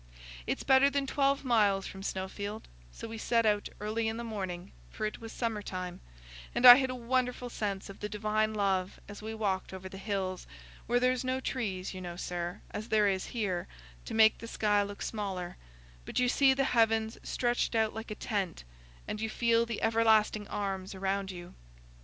It's better than twelve miles from Snowfield, so we set out early in the morning, for it was summertime; and I had a wonderful sense of the Divine love as we walked over the hills, where there's no trees, you know, sir, as there is here, to make the sky look smaller, but you see the heavens stretched out like a tent, and you feel the everlasting arms around you.